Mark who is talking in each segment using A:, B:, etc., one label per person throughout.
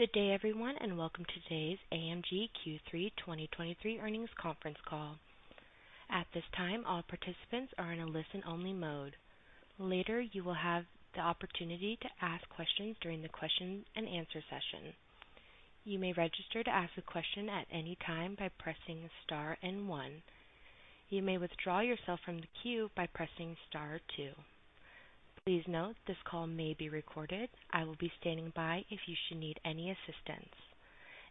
A: Good day, everyone, and welcome to today's AMG Q3 2023 earnings conference call. At this time, all participants are in a listen-only mode. Later, you will have the opportunity to ask questions during the question and answer session. You may register to ask a question at any time by pressing star and one. You may withdraw yourself from the queue by pressing star two. Please note, this call may be recorded. I will be standing by if you should need any assistance.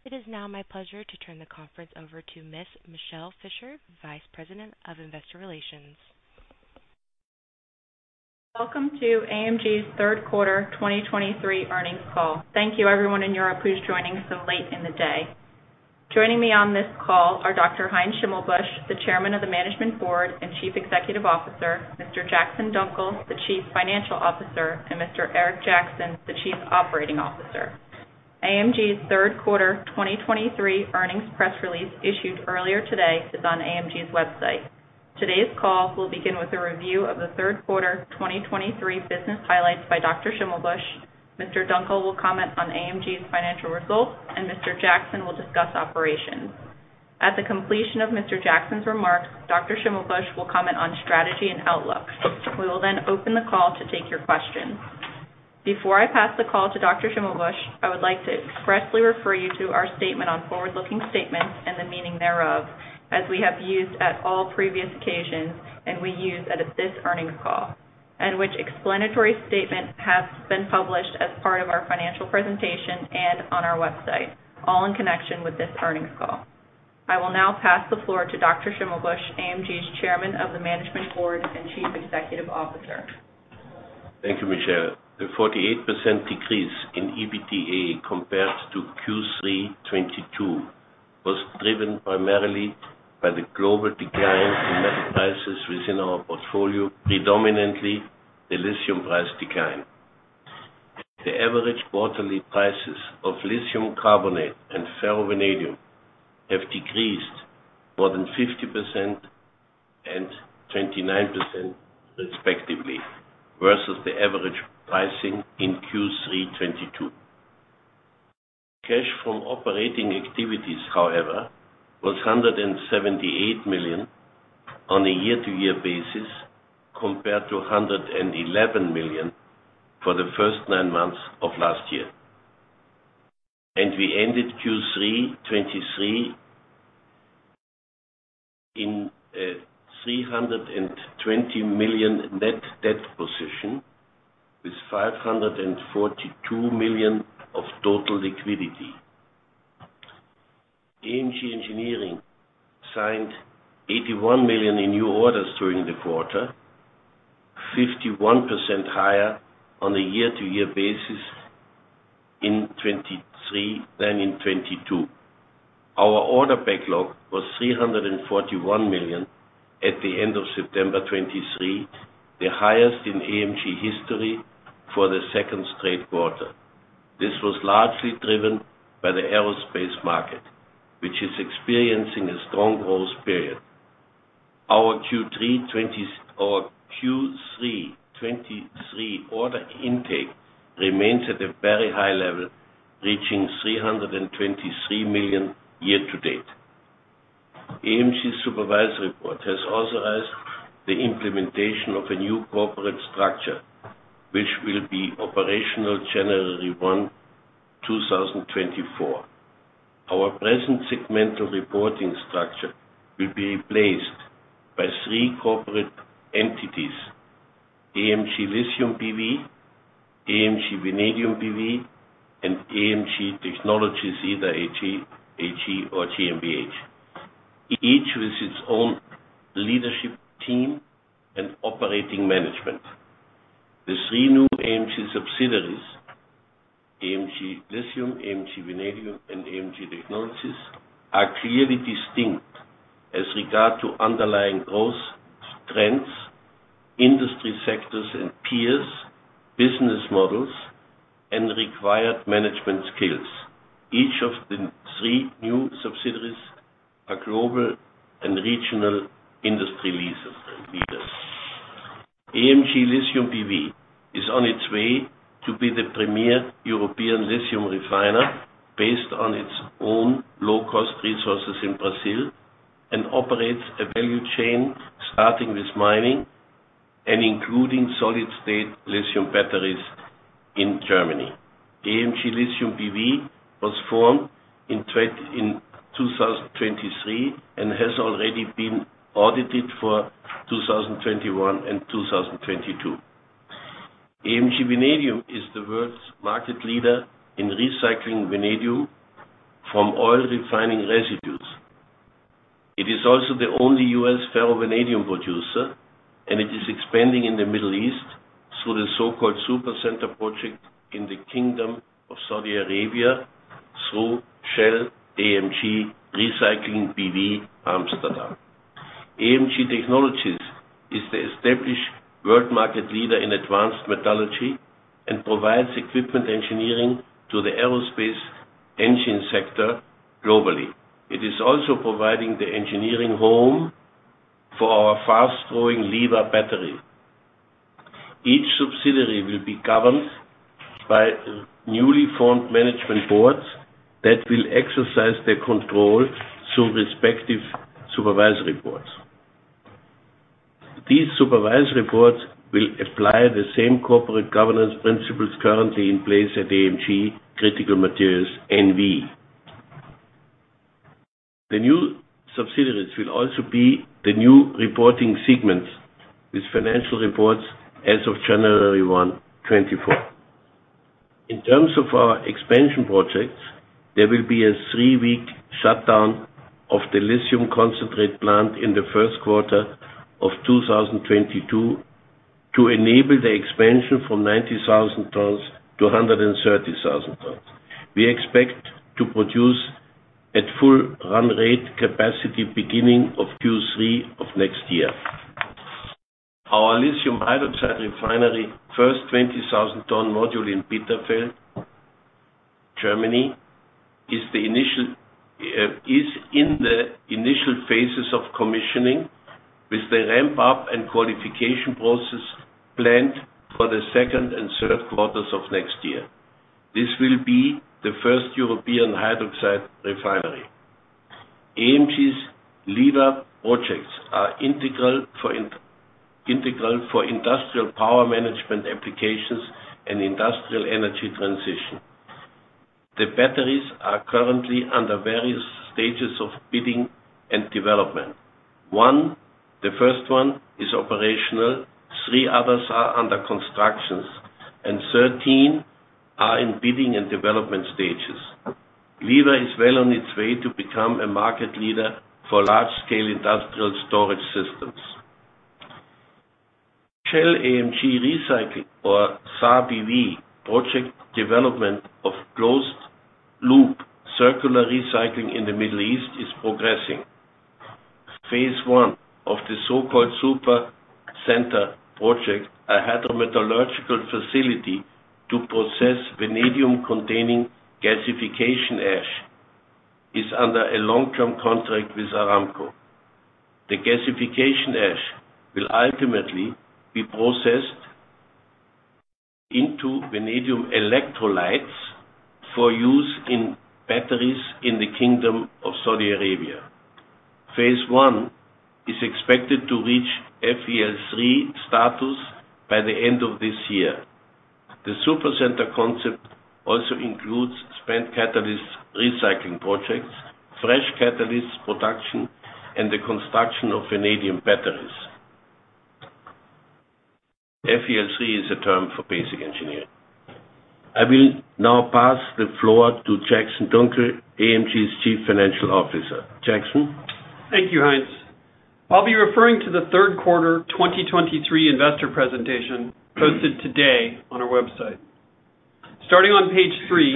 A: It is now my pleasure to turn the conference over to Ms. Michele Fischer, Vice President of Investor Relations.
B: Welcome to AMG's third quarter 2023 earnings call. Thank you, everyone in Europe, who's joining so late in the day. Joining me on this call are Dr. Heinz Schimmelbusch, the Chairman of the Management Board and Chief Executive Officer, Mr. Jackson Dunckel, the Chief Financial Officer, and Mr. Eric Jackson, the Chief Operating Officer. AMG's third quarter 2023 earnings press release issued earlier today is on AMG's website. Today's call will begin with a review of the third quarter 2023 business highlights by Dr. Schimmelbusch. Mr. Dunckel will comment on AMG's financial results, and Mr. Jackson will discuss operations. At the completion of Mr. Jackson's remarks, Dr. Schimmelbusch will comment on strategy and outlook. We will then open the call to take your questions. Before I pass the call to Dr. Schimmelbusch, I would like to expressly refer you to our statement on forward-looking statements and the meaning thereof, as we have used at all previous occasions, and we use at this earnings call, and which explanatory statement has been published as part of our financial presentation and on our website, all in connection with this earnings call. I will now pass the floor to Dr. Schimmelbusch, AMG's Chairman of the Management Board and Chief Executive Officer.
C: Thank you, Michele. The 48% decrease in EBITDA compared to Q3 2022 was driven primarily by the global decline in metal prices within our portfolio, predominantly the lithium price decline. The average quarterly prices of lithium carbonate and ferrovanadium have decreased more than 50% and 29%, respectively, versus the average pricing in Q3 2022. Cash from operating activities, however, was 178 million on a year-to-year basis, compared to 111 million for the first nine months of last year. We ended Q3 2023 in a 320 million net debt position, with 542 million of total liquidity. AMG Engineering signed 81 million in new orders during the quarter, 51% higher on a year-to-year basis in 2023 than in 2022. Our order backlog was 341 million at the end of September 2023, the highest in AMG history for the second straight quarter. This was largely driven by the aerospace market, which is experiencing a strong growth period. Our Q3 2023 order intake remains at a very high level, reaching 323 million year to date. AMG Supervisory Board has authorized the implementation of a new corporate structure, which will be operational January 1, 2024. Our present segmental reporting structure will be replaced by three corporate entities: AMG Lithium B.V., AMG Vanadium B.V., and AMG Technologies, either AG, SE, or GmbH. Each with its own leadership, team, and operating management. The three new AMG subsidiaries, AMG Lithium, AMG Vanadium, and AMG Technologies, are clearly distinct as regard to underlying growth, trends, industry sectors and peers, business models, and required management skills. Each of the three new subsidiaries are global and regional industry leaders. AMG Lithium is on its way to be the premier European lithium refiner based on its own low-cost resources in Brazil and operates a value chain, starting with mining and including solid-state lithium batteries in Germany. AMG Lithium was formed in 2023 and has already been audited for 2021 and 2022. AMG Vanadium is the world's market leader in recycling Vanadium from oil refining residues. It is also the only U.S. ferrovanadium producer, and it is expanding in the Middle East through the so-called Supercenter Project in the Kingdom of Saudi Arabia through Shell AMG Recycling B.V. Amsterdam. AMG Technologies is the established world market leader in advanced metallurgy and provides equipment engineering to the aerospace engine sector globally. It is also providing the engineering home for our fast-growing LIVA battery.... Each subsidiary will be governed by newly formed management boards that will exercise their control through respective supervisory boards. These supervisory boards will apply the same corporate governance principles currently in place at AMG Critical Materials N.V. The new subsidiaries will also be the new reporting segments with financial reports as of January 1, 2024. In terms of our expansion projects, there will be a three-week shutdown of the lithium concentrate plant in the first quarter of 2022, to enable the expansion from 90,000 tons to 130,000 tons. We expect to produce at full run rate capacity beginning of Q3 of next year. Our lithium hydroxide refinery, first 20,000-ton module in Bitterfeld, Germany, is the initial, is in the initial phases of commissioning, with the ramp-up and qualification process planned for the second and third quarters of next year. This will be the first European hydroxide refinery. AMG's LIVA projects are integral for industrial power management applications and industrial energy transition. The batteries are currently under various stages of bidding and development. One, the first one is operational, three others are under construction, and thirteen are in bidding and development stages. LIVA is well on its way to become a market leader for large-scale industrial storage systems. Shell AMG Recycling B.V., or SARBV, project development of closed-loop circular recycling in the Middle East, is progressing. Phase one of the so-called Supercenter Project, a hydrometallurgical facility to process vanadium-containing gasification ash, is under a long-term contract with Aramco. The gasification ash will ultimately be processed into vanadium electrolytes for use in batteries in the Kingdom of Saudi Arabia. Phase one is expected to reach FEL-3 status by the end of this year. The Supercenter concept also includes spent catalyst recycling projects, fresh catalyst production, and the construction of vanadium batteries. FEL-3 is a term for basic engineering. I will now pass the floor to Jackson Dunckel, AMG's Chief Financial Officer. Jackson?
D: Thank you, Heinz. I'll be referring to the third quarter 2023 investor presentation, posted today on our website. Starting on page three,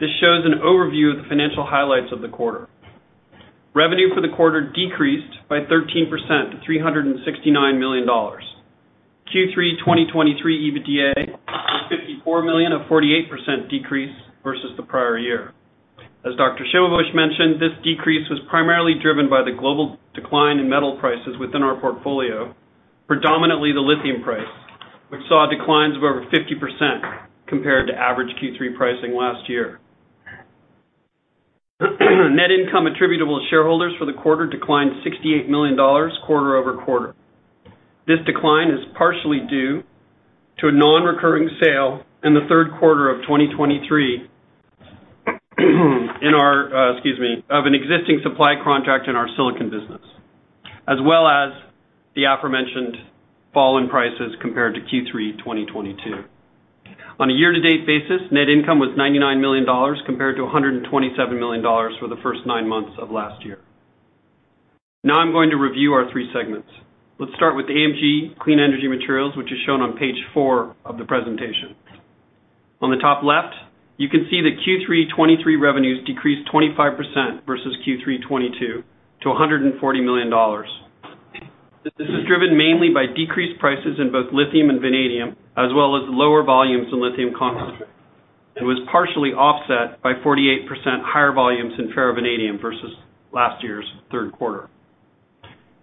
D: this shows an overview of the financial highlights of the quarter. Revenue for the quarter decreased by 13% to $369 million. Q3 2023 EBITDA was $54 million, a 48% decrease versus the prior year. As Dr. Schimmelbusch mentioned, this decrease was primarily driven by the global decline in metal prices within our portfolio, predominantly the lithium price, which saw declines of over 50% compared to average Q3 pricing last year. Net income attributable to shareholders for the quarter declined $68 million, QoQ. This decline is partially due to a non-recurring sale in the third quarter of 2023, in our, excuse me, of an existing supply contract in our silicon business, as well as the aforementioned fall in prices compared to Q3 2022. On a year-to-date basis, net income was $99 million, compared to $127 million for the first nine months of last year. Now I'm going to review our three segments. Let's start with AMG Clean Energy Materials, which is shown on page four of the presentation. On the top left, you can see that Q3 2023 revenues decreased 25% versus Q3 2022, to $140 million. This is driven mainly by decreased prices in both lithium and vanadium, as well as lower volumes in lithium concentrate, and was partially offset by 48% higher volumes in ferrovanadium versus last year's third quarter.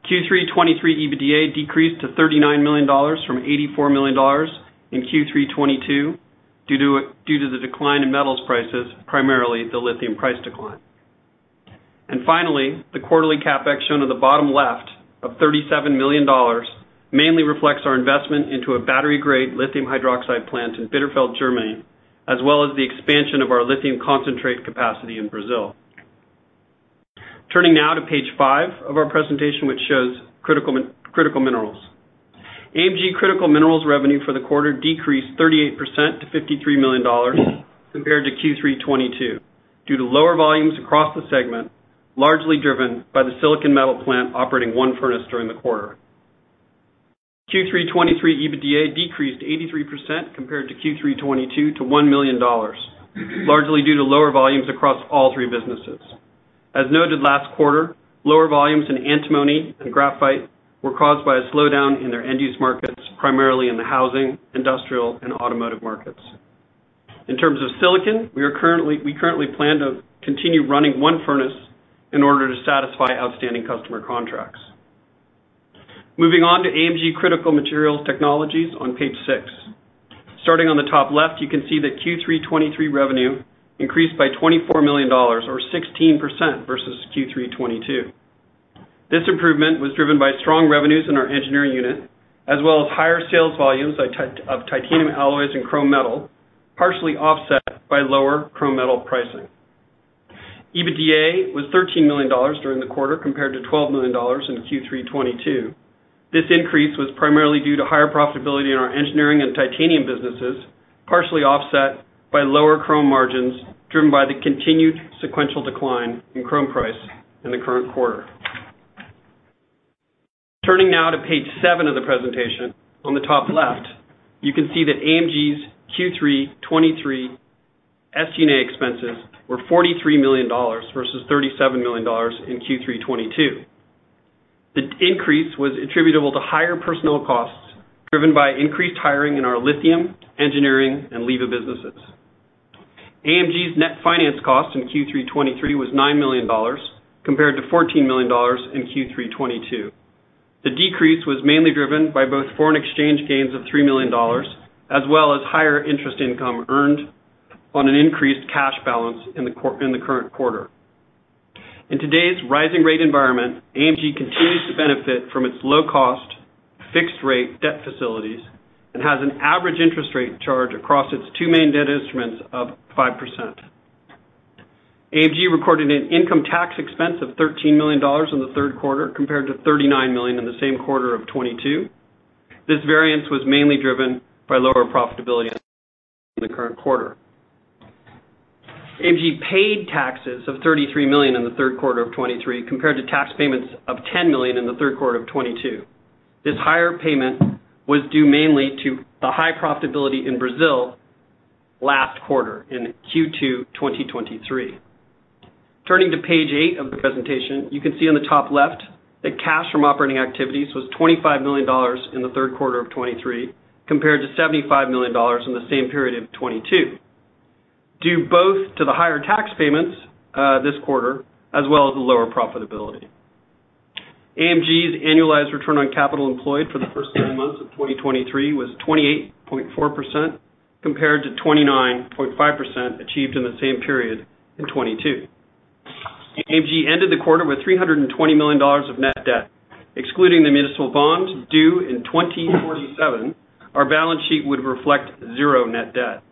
D: Q3 2023 EBITDA decreased to $39 million from $84 million in Q3 2022, due to the decline in metals prices, primarily the lithium price decline. Finally, the quarterly CapEx, shown on the bottom left of $37 million, mainly reflects our investment into a battery-grade lithium hydroxide plant in Bitterfeld, Germany, as well as the expansion of our lithium concentrate capacity in Brazil. Turning now to page five of our presentation, which shows critical minerals. AMG Critical Minerals revenue for the quarter decreased 38% to $53 million compared to Q3 2022, due to lower volumes across the segment, largely driven by the silicon metal plant operating one furnace during the quarter. Q3 2023 EBITDA decreased 83% compared to Q3 2022 to $1 million, largely due to lower volumes across all three businesses. As noted last quarter, lower volumes in antimony and graphite were caused by a slowdown in their end-use markets, primarily in the housing, industrial, and automotive markets.... In terms of silicon, we currently plan to continue running one furnace in order to satisfy outstanding customer contracts. Moving on to AMG Critical Materials Technologies on page six. Starting on the top left, you can see that Q3 2023 revenue increased by $24 million or 16% versus Q3 2022. This improvement was driven by strong revenues in our engineering unit, as well as higher sales volumes of of titanium alloys and chrome metal, partially offset by lower chrome metal pricing. EBITDA was $13 million during the quarter, compared to $12 million in Q3 2022. This increase was primarily due to higher profitability in our engineering and titanium businesses, partially offset by lower chrome margins, driven by the continued sequential decline in chrome price in the current quarter. Turning now to page seven of the presentation. On the top left, you can see that AMG's Q3 2023 SG&A expenses were $43 million versus $37 million in Q3 2022. The increase was attributable to higher personnel costs, driven by increased hiring in our lithium, engineering, and LIVA businesses. AMG's net finance cost in Q3 2023 was $9 million, compared to $14 million in Q3 2022. The decrease was mainly driven by both foreign exchange gains of $3 million, as well as higher interest income earned on an increased cash balance in the current quarter. In today's rising rate environment, AMG continues to benefit from its low-cost, fixed-rate debt facilities and has an average interest rate charge across its two main debt instruments of 5%. AMG recorded an income tax expense of $13 million in the third quarter, compared to $39 million in the same quarter of 2022. This variance was mainly driven by lower profitability in the current quarter. AMG paid taxes of $33 million in the third quarter of 2023, compared to tax payments of $10 million in the third quarter of 2022. This higher payment was due mainly to the high profitability in Brazil last quarter, in Q2 2023. Turning to page 8 of the presentation, you can see on the top left that cash from operating activities was $25 million in the third quarter of 2023, compared to $75 million in the same period of 2022, due both to the higher tax payments this quarter, as well as the lower profitability. AMG's annualized return on capital employed for the first 10 months of 2023 was 28.4%, compared to 29.5% achieved in the same period in 2022. AMG ended the quarter with $320 million of net debt. Excluding the municipal bond due in 2047, our balance sheet would reflect zero net debt.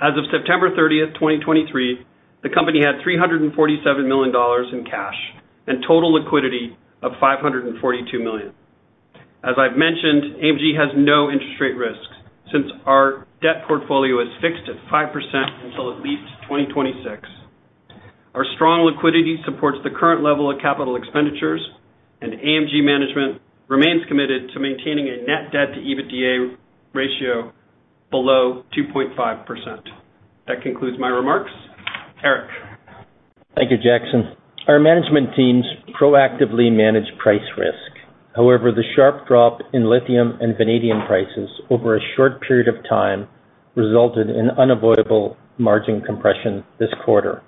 D: As of September 30th, 2023, the company had $347 million in cash and total liquidity of $542 million. As I've mentioned, AMG has no interest rate risks since our debt portfolio is fixed at 5% until at least 2026. Our strong liquidity supports the current level of capital expenditures, and AMG management remains committed to maintaining a net debt to EBITDA ratio below 2.5%. That concludes my remarks. Eric?
E: Thank you, Jackson. Our management teams proactively manage price risk. However, the sharp drop in lithium and vanadium prices over a short period of time resulted in unavoidable margin compression this quarter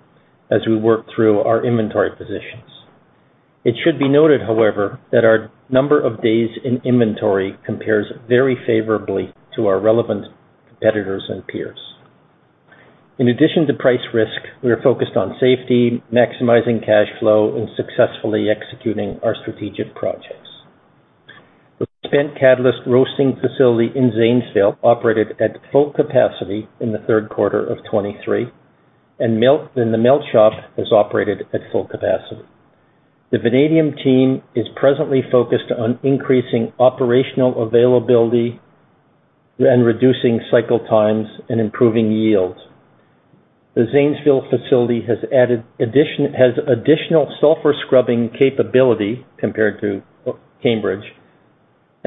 E: as we worked through our inventory positions. It should be noted, however, that our number of days in inventory compares very favorably to our relevant competitors and peers. In addition to price risk, we are focused on safety, maximizing cash flow, and successfully executing our strategic projects. The spent catalyst roasting facility in Zanesville operated at full capacity in the third quarter of 2023, and the melt shop has operated at full capacity. The Vanadium Team is presently focused on increasing operational availability and reducing cycle times and improving yields. The Zanesville facility has additional sulfur scrubbing capability compared to Cambridge,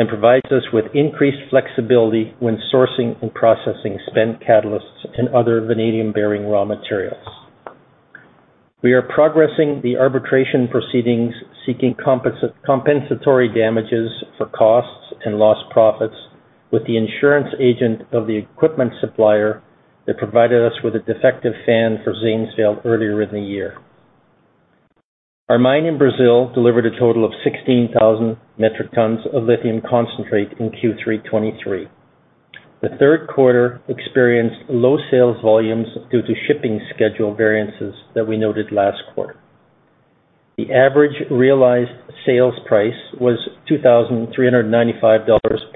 E: and provides us with increased flexibility when sourcing and processing spent catalysts and other vanadium-bearing raw materials. We are progressing the arbitration proceedings, seeking compensatory damages for costs and lost profits with the insurance agent of the equipment supplier that provided us with a defective fan for Zanesville earlier in the year. Our mine in Brazil delivered a total of 16,000 metric tons of lithium concentrate in Q3 2023. The third quarter experienced low sales volumes due to shipping schedule variances that we noted last quarter. The average realized sales price was $2,395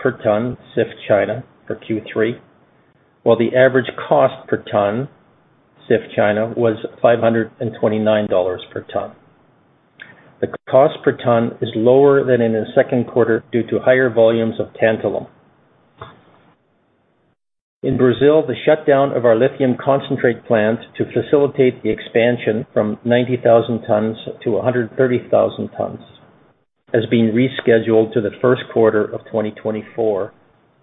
E: per ton, CIF China, for Q3, while the average cost per ton, CIF China, was $529 per ton. The cost per ton is lower than in the second quarter due to higher volumes of tantalum. In Brazil, the shutdown of our lithium concentrate plant to facilitate the expansion from 90,000 tons to 130,000 tons, has been rescheduled to the first quarter of 2024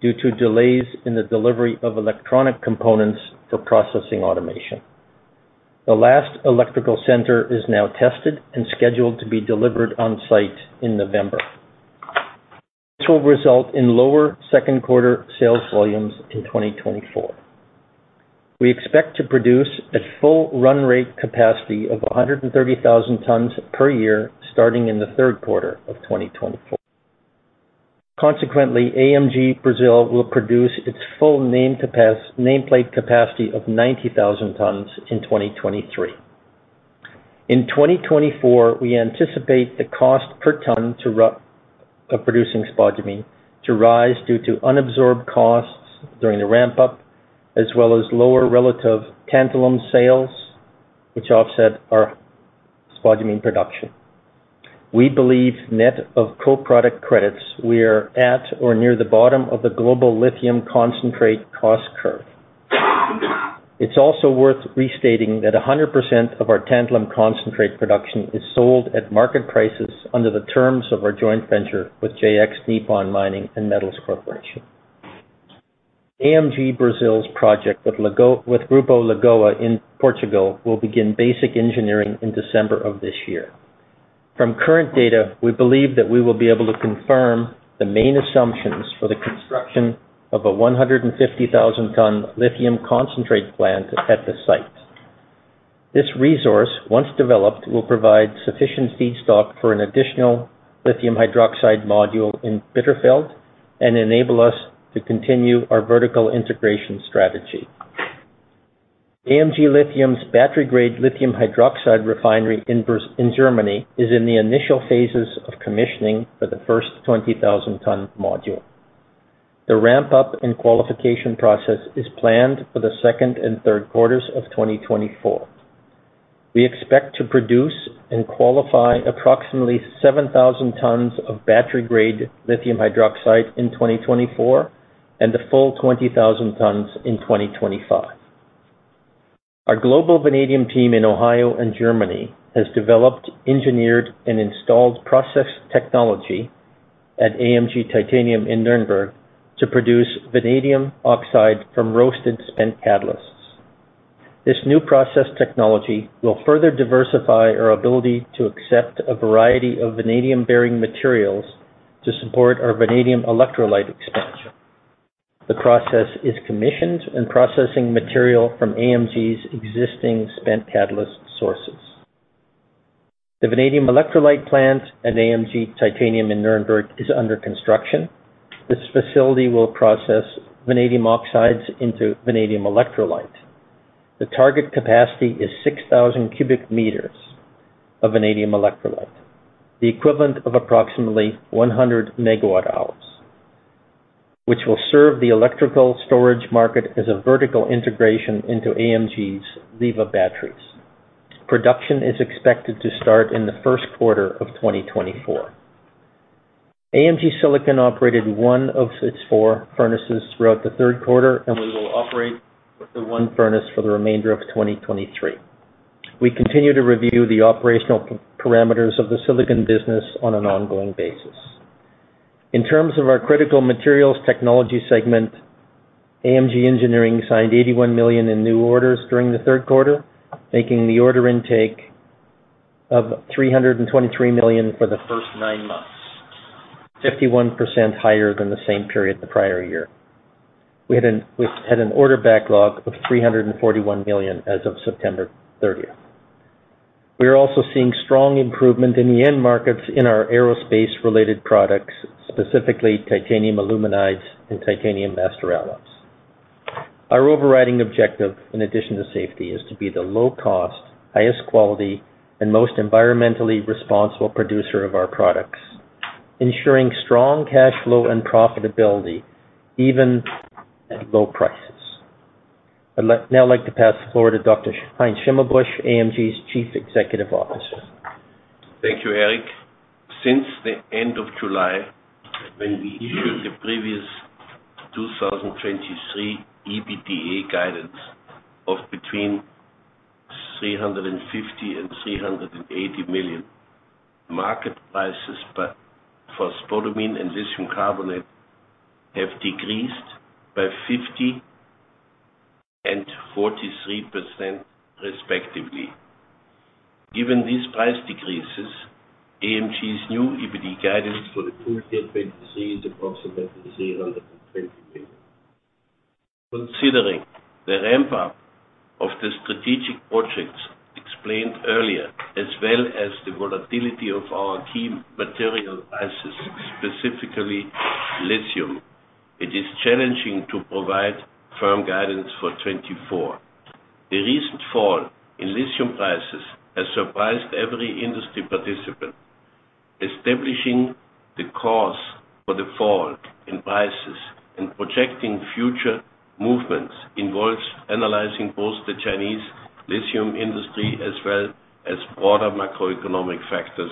E: due to delays in the delivery of electronic components for processing automation. The last electrical center is now tested and scheduled to be delivered on site in November. This will result in lower second quarter sales volumes in 2024. We expect to produce a full run rate capacity of 130,000 tons per year, starting in the third quarter of 2024. Consequently, AMG Brazil will produce its full nameplate capacity of 90,000 tons in 2023. In 2024, we anticipate the cost per ton to run of producing spodumene to rise due to unabsorbed costs during the ramp-up, as well as lower relative tantalum sales, which offset our spodumene production. We believe net of co-product credits, we are at or near the bottom of the global lithium concentrate cost curve. It's also worth restating that 100% of our tantalum concentrate production is sold at market prices under the terms of our joint venture with JX Nippon Mining & Metals Corporation. AMG Brazil's project with Lago, with Grupo Lagoa in Portugal, will begin basic engineering in December of this year. From current data, we believe that we will be able to confirm the main assumptions for the construction of a 150,000 ton lithium concentrate plant at the site. This resource, once developed, will provide sufficient feedstock for an additional lithium hydroxide module in Bitterfeld and enable us to continue our vertical integration strategy. AMG Lithium's battery-grade lithium hydroxide refinery in Bitterfeld in Germany is in the initial phases of commissioning for the first 20,000-ton module. The ramp-up and qualification process is planned for the second and third quarters of 2024. We expect to produce and qualify approximately 7,000 tons of battery-grade lithium hydroxide in 2024, and the full 20,000 tons in 2025. Our Global Vanadium Team in Ohio and Germany has developed, engineered, and installed process technology at AMG Titanium in Nuremberg to produce vanadium oxide from roasted spent catalysts. This new process technology will further diversify our ability to accept a variety of vanadium-bearing materials to support our vanadium electrolyte expansion. The process is commissioned, and processing material from AMG's existing spent catalyst sources. The vanadium electrolyte plant at AMG Titanium in Nuremberg is under construction. This facility will process vanadium oxides into vanadium electrolyte. The target capacity is 6,000 cubic meters of vanadium electrolyte, the equivalent of approximately 100 MWh, which will serve the electrical storage market as a vertical integration into AMG's LIVA batteries. Production is expected to start in the first quarter of 2024. AMG Silicon operated one of its four furnaces throughout the third quarter, and we will operate the one furnace for the remainder of 2023. We continue to review the operational parameters of the silicon business on an ongoing basis. In terms of our critical materials technology segment, AMG Engineering signed 81 million in new orders during the third quarter, making the order intake of 323 million for the first nine months, 51% higher than the same period the prior year. We had an order backlog of 341 million as of September thirtieth. We are also seeing strong improvement in the end markets in our aerospace-related products, specifically titanium aluminides and titanium master alloys. Our overriding objective, in addition to safety, is to be the low cost, highest quality, and most environmentally responsible producer of our products, ensuring strong cash flow and profitability even at low prices. I'd like now to pass the floor to Dr. Heinz Schimmelbusch, AMG's Chief Executive Officer.
C: Thank you, Eric. Since the end of July, when we issued the previous 2023 EBITDA guidance of between 350 million and 380 million, market prices for spodumene and lithium carbonate have decreased by 50% and 43%, respectively. Given these price decreases, AMG's new EBITDA guidance for 2023 is approximately EUR 320 million. Considering the ramp-up of the strategic projects explained earlier, as well as the volatility of our key material prices, specifically lithium, it is challenging to provide firm guidance for 2024. The recent fall in lithium prices has surprised every industry participant. Establishing the cause for the fall in prices and projecting future movements involves analyzing both the Chinese lithium industry as well as broader macroeconomic factors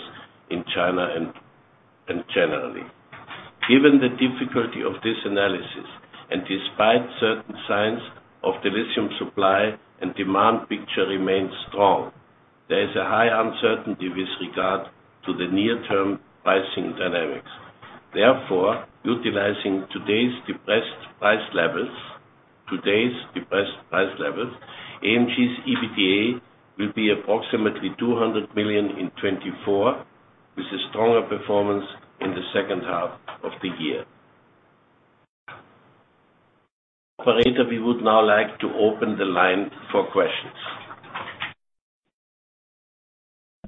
C: in China and generally. Given the difficulty of this analysis, and despite certain signs of the lithium supply and demand picture remains strong, there is a high uncertainty with regard to the near-term pricing dynamics. Therefore, utilizing today's depressed price levels, AMG's EBITDA will be approximately 200 million in 2024, with a stronger performance in the second half of the year. Operator, we would now like to open the line for questions.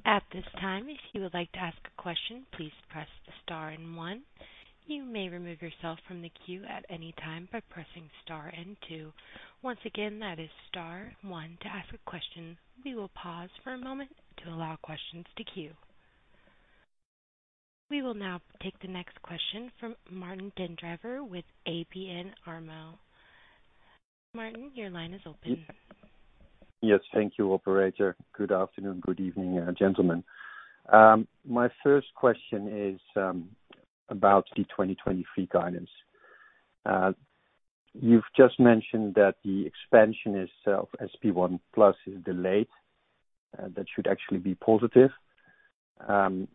A: At this time, if you would like to ask a question, please press the star and one. You may remove yourself from the queue at any time by pressing star and two. Once again, that is star one to ask a question. We will pause for a moment to allow questions to queue. We will now take the next question from Martijn Den Drijver with ABN AMRO. Martijn, your line is open.
F: Yes, thank you, operator. Good afternoon. Good evening, gentlemen. My first question is about the 2023 guidance. You've just mentioned that the expansion itself, SP-1 plus, is delayed. That should actually be positive. And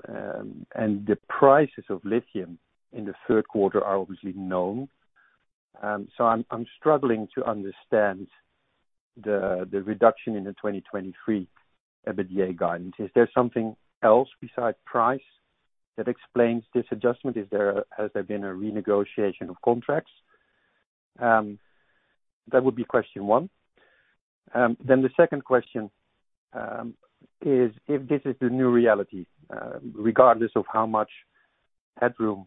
F: the prices of lithium in the third quarter are obviously known. So I'm struggling to understand the reduction in the 2023 EBITDA guidance. Is there something else besides price that explains this adjustment? Has there been a renegotiation of contracts? That would be question one. Then the second question is if this is the new reality, regardless of how much headroom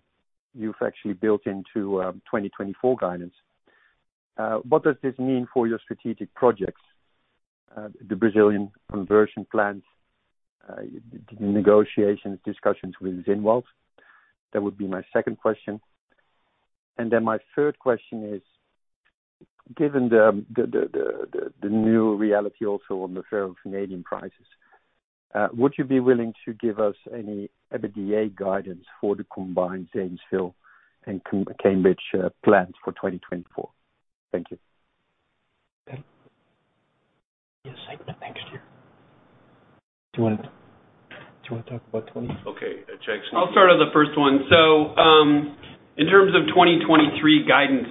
F: you've actually built into 2024 guidance, what does this mean for your strategic projects? The Brazilian conversion plans, the negotiations, discussions with Zinnwald. That would be my second question. My third question is, given the new reality also on the ferrovanadium prices, would you be willing to give us any EBITDA guidance for the combined Zanesville and Cambridge plans for 2024? Thank you.
E: Yes, segment next year. Do you wanna, do you wanna talk about 20?
C: Okay, Jackson.
D: I'll start on the first one. So, in terms of 2023 guidance,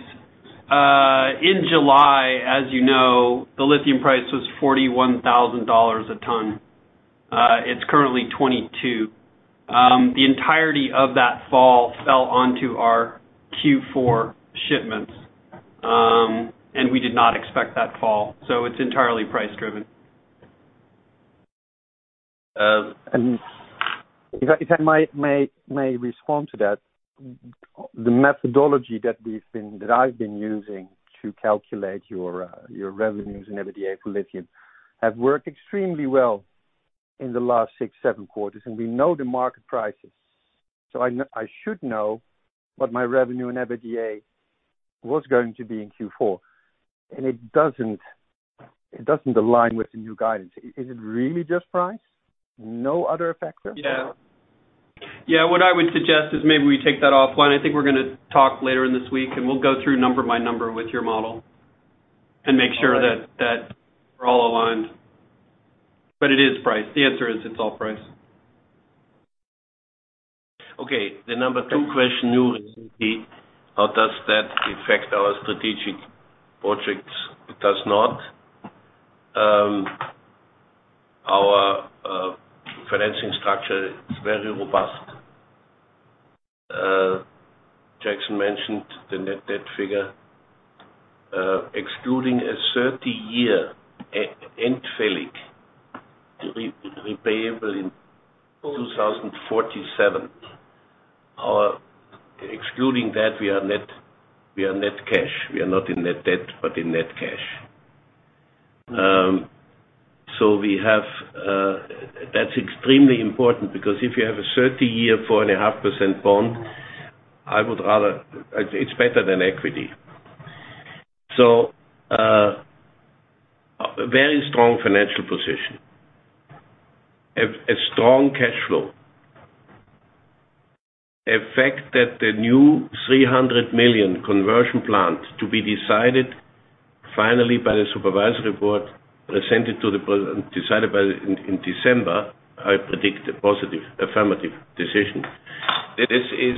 D: in July, as you know, the lithium price was $41,000 a ton. It's currently $22 a ton. The entirety of that fall fell onto our Q4 shipments, and we did not expect that fall, so it's entirely price driven.
F: And if I may respond to that, the methodology that I've been using to calculate your revenues and EBITDA for lithium has worked extremely well in the last 6, 7 quarters, and we know the market prices. So I know I should know what my revenue and EBITDA was going to be in Q4, and it doesn't align with the new guidance. Is it really just price? No other factors?
D: Yeah. Yeah, what I would suggest is maybe we take that offline. I think we're gonna talk later in this week, and we'll go through number by number with your model and make sure that, that we're all aligned. But it is price. The answer is, it's all price.
C: Okay, the number two question, new, is how does that affect our strategic projects? It does not. Our financing structure is very robust. Jackson mentioned the net debt figure. Excluding a 30-year EIB financing repayable in 2047. Excluding that, we are net, we are net cash. We are not in net debt, but in net cash. That's extremely important because if you have a 30-year, 4.5% bond, I would rather, it's better than equity. A very strong financial position, a strong cash flow. The fact that the new 300 million conversion plant to be decided finally by the supervisory board, presented to the board, decided by the board in December, I predict a positive, affirmative decision. This is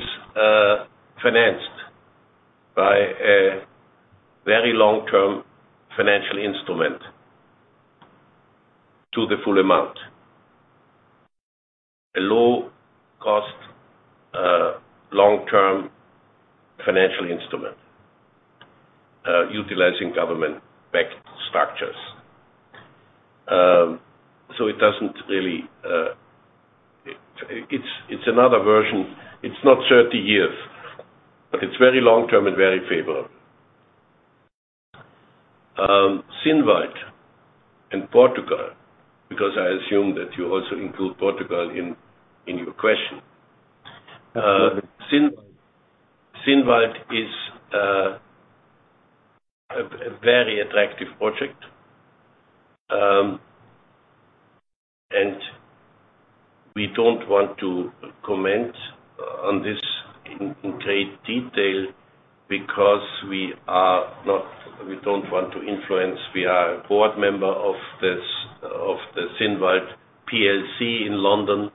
C: financed by a very long-term financial instrument to the full amount. A low cost, long-term financial instrument, utilizing government-backed structures. So it doesn't really, it's, it's another version. It's not 30 years, but it's very long-term and very favorable. Zinnwald in Portugal, because I assume that you also include Portugal in your question. Zinnwald, Zinnwald is a very attractive project, and we don't want to comment on this in great detail because we don't want to influence. We are a board member of this, of the Zinnwald Plc in London...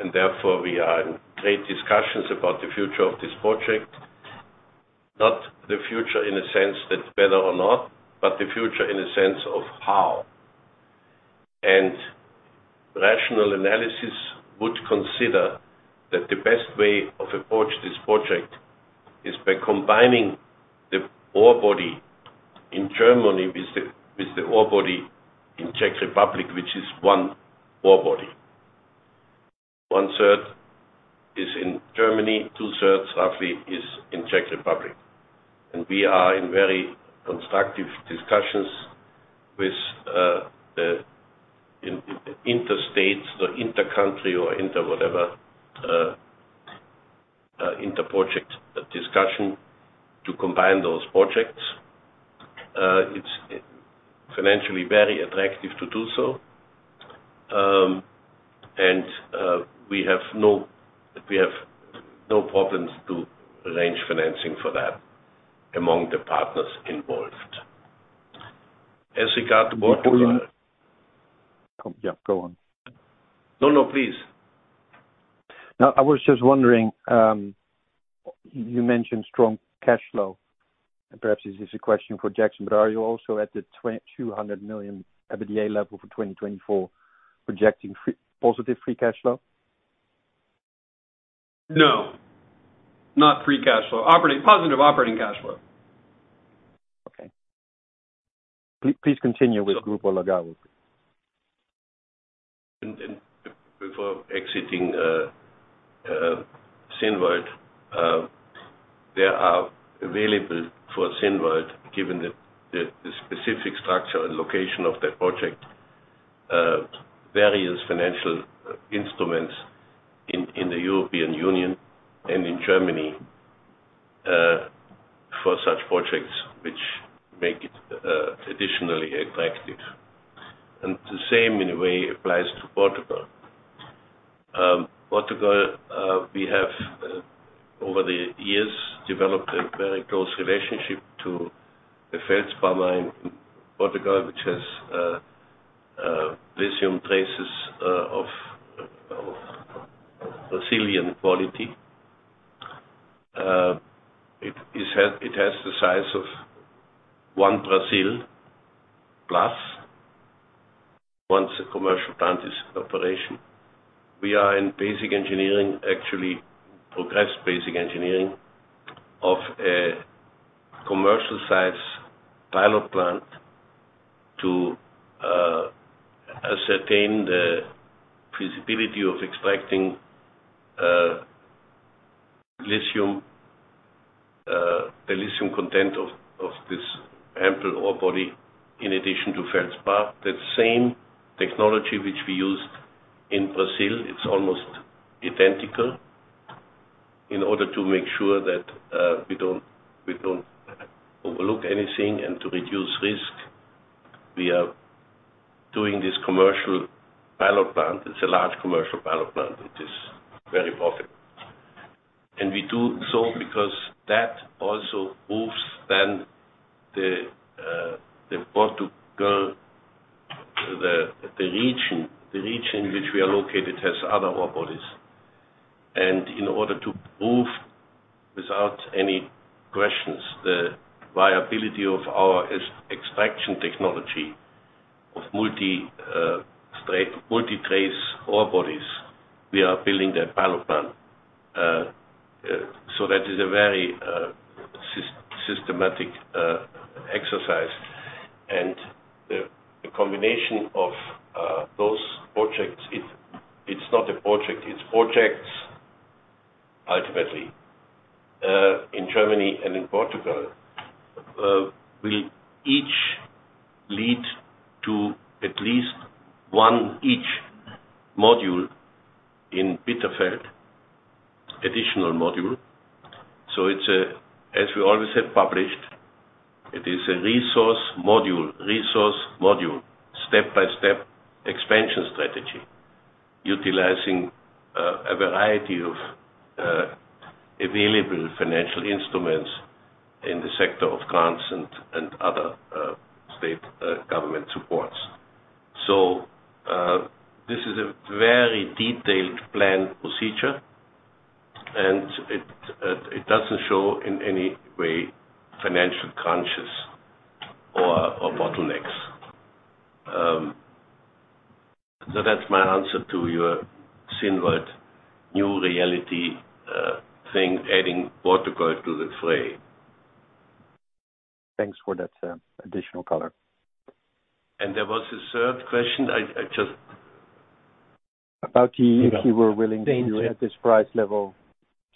C: and therefore, we are in great discussions about the future of this project. Not the future in a sense that better or not, but the future in a sense of how. Rational analysis would consider that the best way of approach this project is by combining the ore body in Germany with the ore body in Czech Republic, which is one ore body. One-third is in Germany, two-thirds roughly is in Czech Republic. We are in very constructive discussions with interstate or intercountry or inter whatever interproject discussion to combine those projects. It's financially very attractive to do so. We have no, we have no problems to arrange financing for that among the partners involved. As regard to Portugal-
F: Yeah, go on.
C: No, no, please.
F: Now, I was just wondering, you mentioned strong cash flow, and perhaps this is a question for Jackson, but are you also at the 200 million EBITDA level for 2024, projecting positive free cash flow?
D: No, not free cash flow. Operating, positive operating cash flow.
F: Okay. Please continue with Grupo Lagoa.
C: Before exiting, Zinnwald, there are available for Zinnwald, given the specific structure and location of that project, various financial instruments in the European Union and in Germany, for such projects, which make it additionally attractive. The same in a way applies to Portugal. Portugal, we have, over the years, developed a very close relationship to the feldspar mine in Portugal, which has lithium traces of Brazilian quality. It has the size of one Brazil plus, once the commercial plant is in operation. We are in basic engineering, actually progressed basic engineering, of a commercial-size pilot plant to ascertain the feasibility of extracting lithium, the lithium content of this ample ore body, in addition to feldspar. That same technology which we used in Brazil, it's almost identical. In order to make sure that we don't overlook anything and to reduce risk, we are doing this commercial pilot plant. It's a large commercial pilot plant, which is very profitable. And we do so because that also moves then the Portugal region which we are located has other ore bodies. And in order to prove, without any questions, the viability of our extraction technology of multi-grade multi-trace ore bodies, we are building that pilot plant. So that is a very systematic exercise. And the combination of those projects, it's not a project, it's projects, ultimately in Germany and in Portugal, will each lead to at least one additional module in Bitterfeld. So it's a, as we always have published, it is a resource module, resource module, step-by-step expansion strategy, utilizing a variety of available financial instruments in the sector of grants and other state government supports. So this is a very detailed planned procedure, and it, it doesn't show in any way financial crunches or bottlenecks. So that's my answer to your Stijn word new reality thing, adding Portugal to the fray.
F: Thanks for that, additional color.
C: There was a third question, I just-
F: About if you were willing to, at this price level,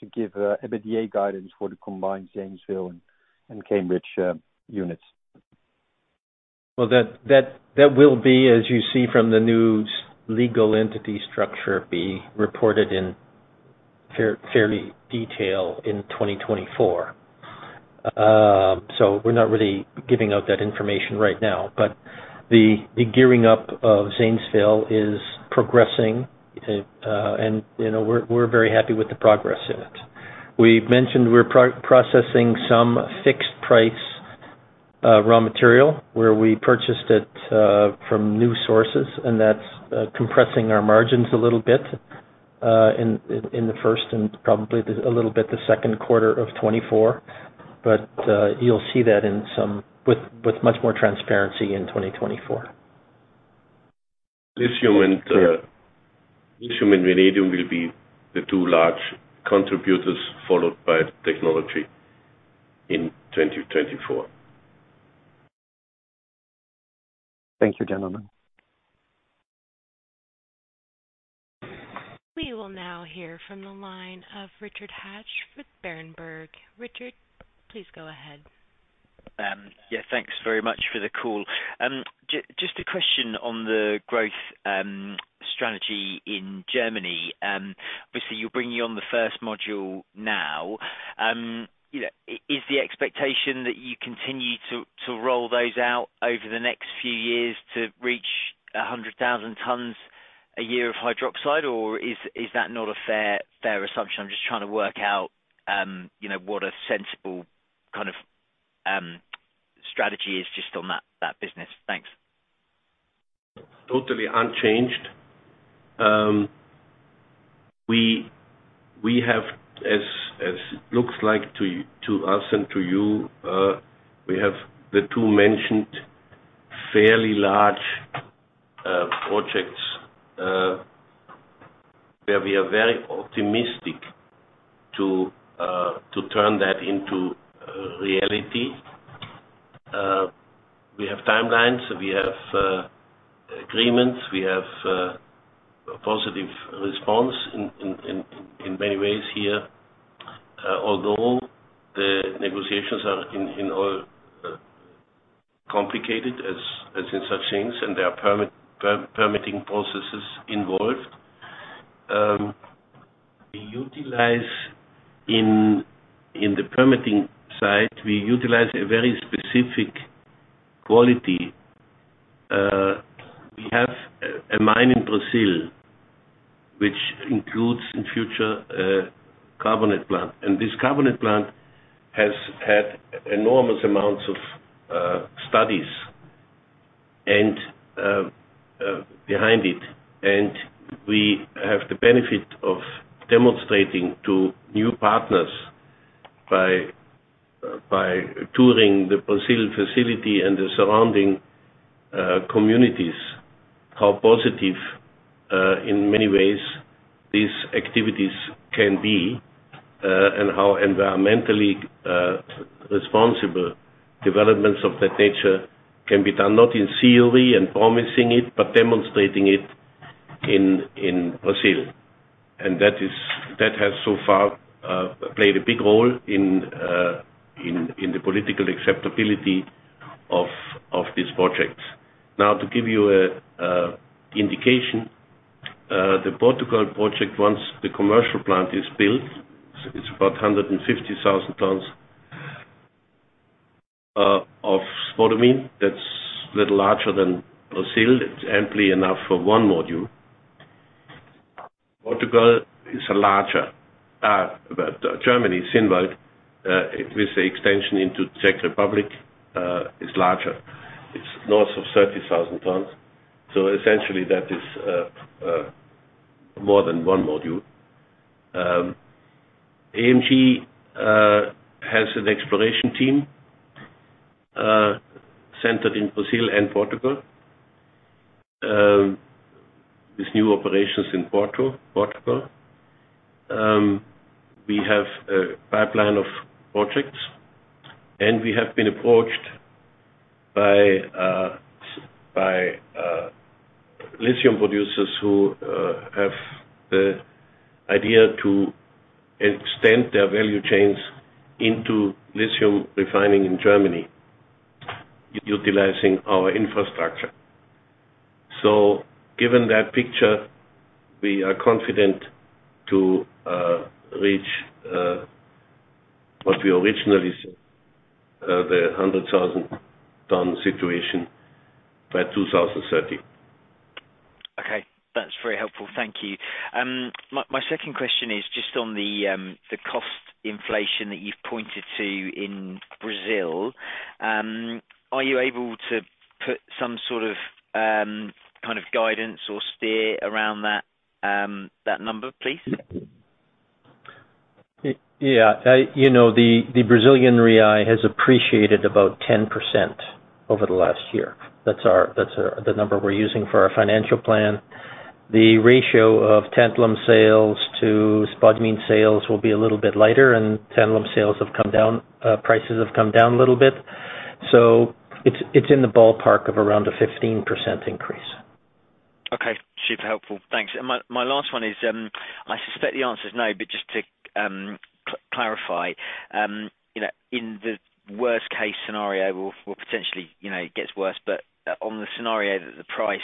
F: to give an EBITDA guidance for the combined Zanesville and Cambridge units?
E: Well, that will be, as you see from the new legal entity structure, reported in fairly detail in 2024. So we're not really giving out that information right now, but the gearing up of Zanesville is progressing, and, you know, we're very happy with the progress in it. We've mentioned we're processing some fixed price raw material, where we purchased it from new sources, and that's compressing our margins a little bit in the first and probably a little bit the second quarter of 2024. But you'll see that with much more transparency in 2024.
C: Lithium and vanadium will be the two large contributors, followed by technology in 2024.
F: Thank you, gentlemen.
A: We will now hear from the line of Richard Hatch with Berenberg. Richard, please go ahead.
G: Yeah, thanks very much for the call. Just a question on the growth strategy in Germany. Obviously, you're bringing on the first module now. You know, is the expectation that you continue to roll those out over the next few years to reach 100,000 tons a year of hydroxide, or is that not a fair assumption? I'm just trying to work out, you know, what a sensible kind of strategy is just on that business. Thanks.
C: Totally unchanged. We have as it looks like to us and to you, we have the two mentioned fairly large projects, where we are very optimistic to turn that into reality. We have timelines, we have agreements, we have positive response in many ways here. Although the negotiations are in all complicated as in such things, and there are permitting processes involved. We utilize in the permitting side, we utilize a very specific quality. We have a mine in Brazil, which includes in future carbonate plant, and this carbonate plant has had enormous amounts of studies and behind it. We have the benefit of demonstrating to new partners by touring the Brazil facility and the surrounding communities, how positive in many ways these activities can be, and how environmentally responsible developments of that nature can be done, not in theory and promising it, but demonstrating it in Brazil. That has so far played a big role in the political acceptability of these projects. Now, to give you an indication, the Portugal project, once the commercial plant is built, it's about 150,000 tons of spodumene. That's a little larger than Brazil. It's amply enough for one module. Portugal is a larger, but Germany, Zinnwald, with the extension into Czech Republic, is larger. It's north of 30,000 tons, so essentially that is more than one module. AMG has an exploration team centered in Brazil and Portugal, with new operations in Porto, Portugal. We have a pipeline of projects, and we have been approached by lithium producers who have the idea to extend their value chains into lithium refining in Germany, utilizing our infrastructure. So given that picture, we are confident to reach what we originally said, the 100,000-ton situation by 2030.
G: Okay, that's very helpful. Thank you. My second question is just on the cost inflation that you've pointed to in Brazil. Are you able to put some sort of kind of guidance or steer around that number, please?
E: Yeah. You know, the Brazilian real has appreciated about 10% over the last year. That's the number we're using for our financial plan. The ratio of tantalum sales to spodumene sales will be a little bit lighter, and tantalum sales have come down, prices have come down a little bit, so it's in the ballpark of around a 15% increase.
G: Okay. Super helpful. Thanks. And my last one is, I suspect the answer is no, but just to clarify. You know, in the worst-case scenario, or potentially, you know, it gets worse, but on the scenario that the price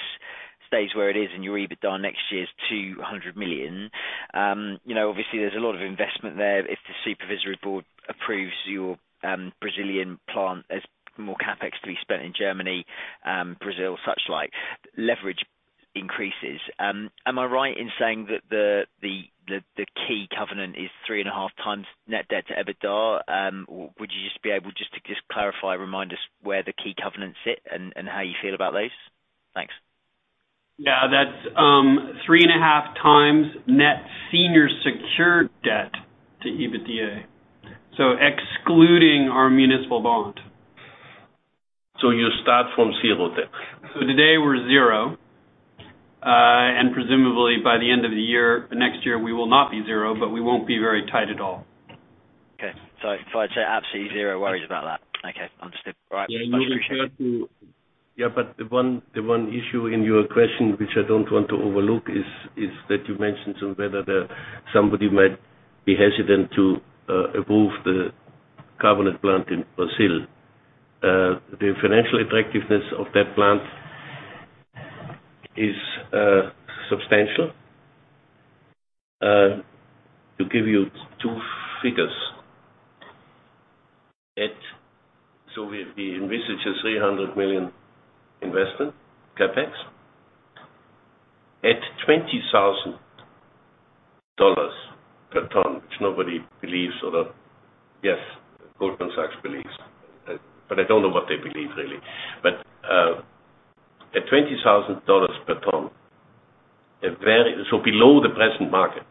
G: stays where it is and your EBITDA next year is 200 million. You know, obviously there's a lot of investment there. If the supervisory board approves your Brazilian plant as more CapEx to be spent in Germany, Brazil, such like, leverage increases. Am I right in saying that the key covenant is 3.5x net debt to EBITDA? Would you just be able to, just clarify, remind us where the key covenants sit and how you feel about those? Thanks.
D: Yeah, that's 3.5 times net senior secured debt to EBITDA, so excluding our municipal bond.
C: So you start from zero then?
D: Today we're zero. Presumably by the end of the year, next year, we will not be zero, but we won't be very tight at all.
G: Okay. So, so I'd say absolutely zero worries about that. Okay, understood. All right, appreciate.
C: Yeah, but the one issue in your question, which I don't want to overlook, is that you mentioned on whether somebody might be hesitant to approve the carbonate plant in Brazil. The financial attractiveness of that plant is substantial. To give you two figures. So we envisage a $300 million investment, CapEx, at $20,000 per ton, which nobody believes or, yes, Goldman Sachs believes, but I don't know what they believe, really. But at $20,000 per ton, a very so below the present market,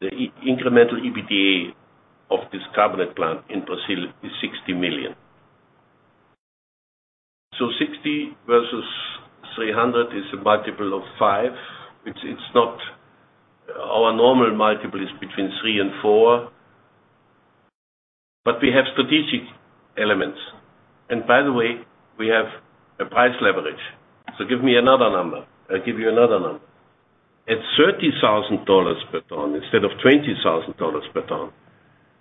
C: the incremental EBITDA of this carbonate plant in Brazil is $60 million. So 60 versus 300 is a multiple of five, which it's not our normal multiple is between three and four, but we have strategic elements. And by the way, we have a price leverage. So give me another number. I'll give you another number. At $30,000 per ton, instead of $20,000 per ton,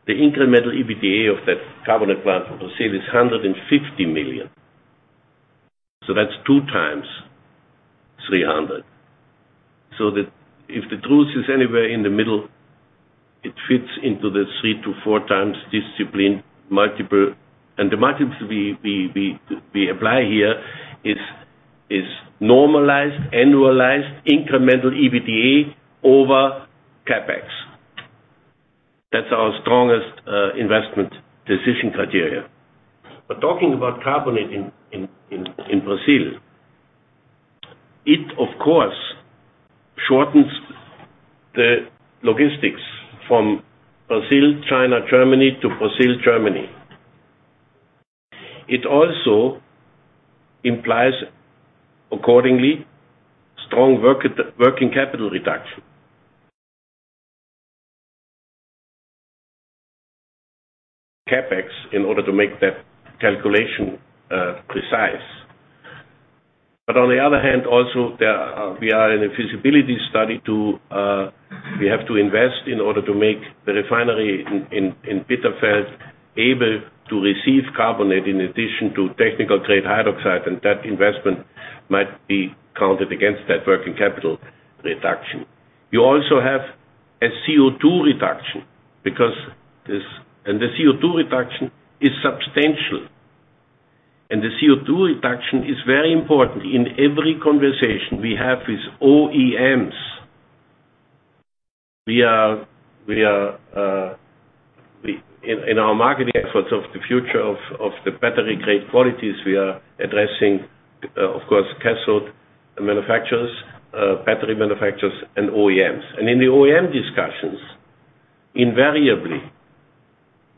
C: the incremental EBITDA of that carbonate plant in Brazil is $150 million. So that's two times 300. So the, if the truth is anywhere in the middle, it fits into the three-four times discipline multiple. And the multiples we apply here is normalized, annualized, incremental EBITDA over CapEx. That's our strongest investment decision criteria. But talking about carbonate in Brazil, it of course shortens the logistics from Brazil, China, Germany to Brazil, Germany. It also implies, accordingly, strong working capital reduction. CapEx, in order to make that calculation precise. But on the other hand, also, there, we are in a feasibility study to, we have to invest in order to make the refinery in Bitterfeld able to receive carbonate in addition to technical-grade hydroxide, and that investment might be counted against that working capital reduction. You also have a CO2 reduction, because this and the CO2 reduction is substantial, and the CO2 reduction is very important in every conversation we have with OEMs. We are in our marketing efforts of the future of the battery-grade qualities we are addressing, of course, cathode manufacturers, battery manufacturers, and OEMs. And in the OEM discussions, invariably,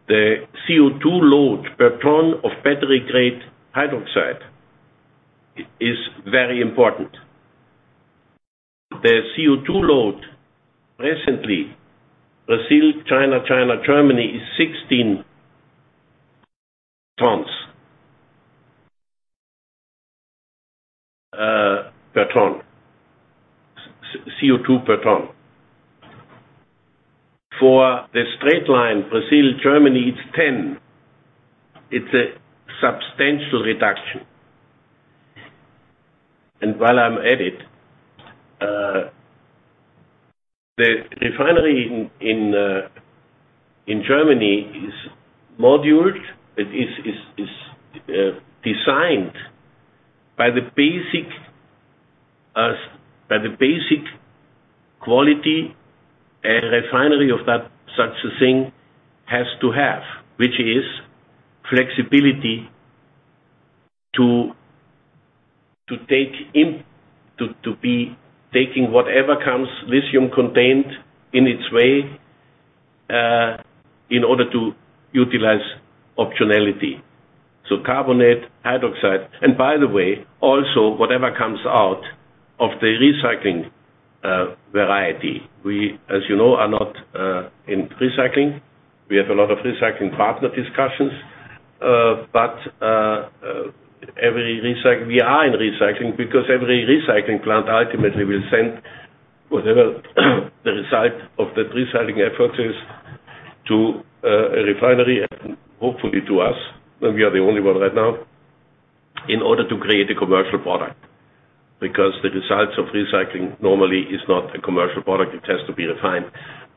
C: the CO2 load per ton of battery-grade hydroxide is very important. The CO2 load, recently, Brazil, China, China, Germany, is 16 tons per ton, CO2 per ton. For the straight line, Brazil, Germany, it's 10. It's a substantial reduction. And while I'm at it, the refinery in Germany is modular. It is designed by the basic, by the basic quality, a refinery of that such a thing has to have, which is flexibility to take in, to be taking whatever comes, lithium contained, in its way, in order to utilize optionality. So carbonate, hydroxide, and by the way, also, whatever comes out of the recycling variety. We, as you know, are not in recycling. We have a lot of recycling partner discussions, but every recycling... We are in recycling because every recycling plant ultimately will send whatever, the result of that recycling effort is, to a refinery, and hopefully to us, and we are the only one right now, in order to create a commercial product. Because the results of recycling normally is not a commercial product, it has to be refined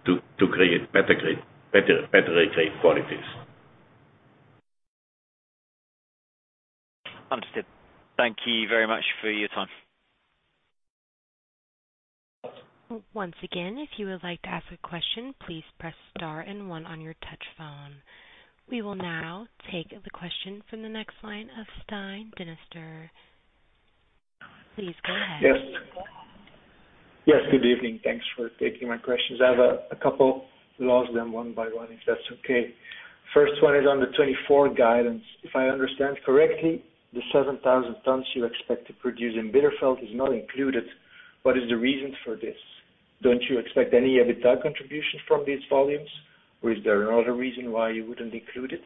C: to create battery grade, battery, battery grade qualities. ...
G: Understood. Thank you very much for your time.
A: Once again, if you would like to ask a question, please press Star and One on your touch phone. We will now take the question from the next line of Stijn Demeester. Please go ahead.
H: Yes. Yes, good evening. Thanks for taking my questions. I have a couple; we'll ask them one by one, if that's okay. First one is on the 2024 guidance. If I understand correctly, the 7,000 tons you expect to produce in Bitterfeld is not included. What is the reason for this? Don't you expect any EBITDA contribution from these volumes, or is there another reason why you wouldn't include it?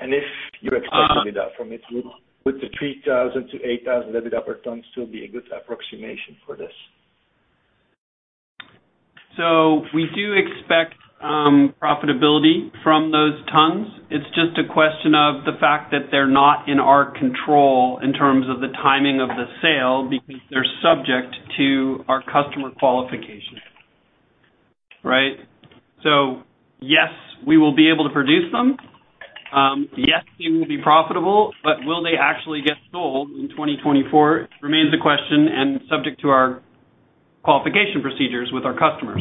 H: And if you expect EBITDA from it, would, would the 3,000-8,000 EBITDA tons still be a good approximation for this?
D: So we do expect profitability from those tons. It's just a question of the fact that they're not in our control in terms of the timing of the sale, because they're subject to our customer qualification. Right? So yes, we will be able to produce them. Yes, they will be profitable, but will they actually get sold in 2024 remains a question and subject to our qualification procedures with our customers.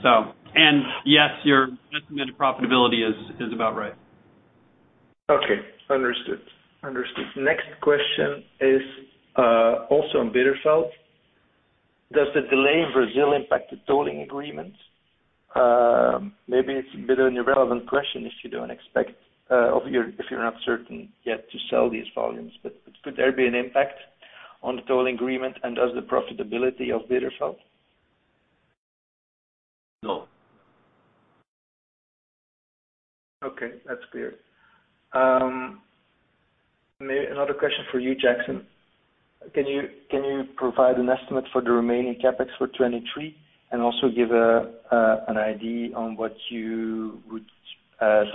D: So, and yes, your estimated profitability is about right.
H: Okay, understood. Understood. Next question is, also on Bitterfeld. Does the delay in Brazil impact the tolling agreement? Maybe it's a bit of an irrelevant question if you don't expect, or if you're, if you're not certain yet to sell these volumes. But could there be an impact on the tolling agreement and thus the profitability of Bitterfeld?
C: No.
H: Okay, that's clear. Another question for you, Jackson. Can you provide an estimate for the remaining CapEx for 2023, and also give an idea on what you would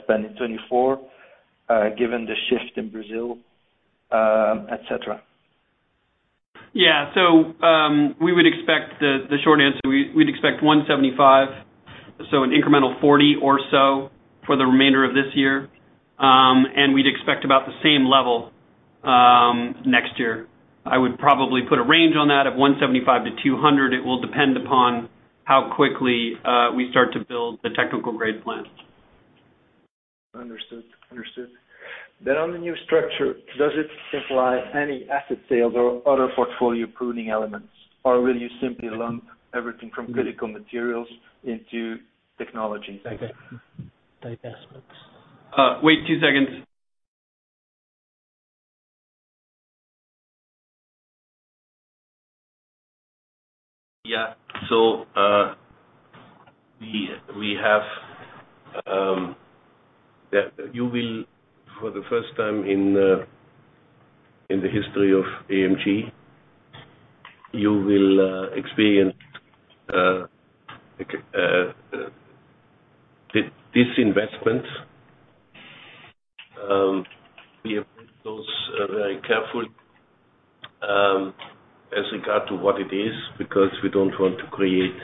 H: spend in 2024, given the shift in Brazil, et cetera?
D: Yeah. So, we would expect the short answer, we'd expect 175, so an incremental 40 or so for the remainder of this year. And we'd expect about the same level, next year. I would probably put a range on that of 175-200. It will depend upon how quickly we start to build the technical grade plant.
H: Understood. Understood. Then on the new structure, does it imply any asset sales or other portfolio pruning elements, or will you simply lump everything from critical materials into technology divestments?
D: Wait two seconds.
C: Yeah. So, we have—You will, for the first time in the history of AMG, experience disinvestment. We approach those very carefully as regards what it is, because we don't want to create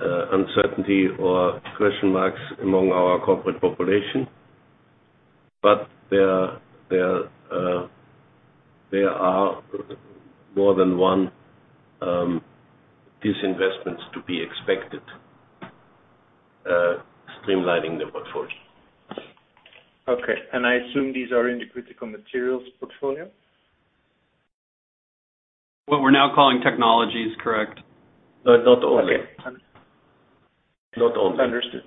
C: uncertainty or question marks among our corporate population. But there are more than one disinvestments to be expected, streamlining the portfolio.
H: Okay. I assume these are in the Critical Materials portfolio?
D: What we're now calling technologies, correct.
C: But not only.
H: Okay.
C: Not only.
H: Understood.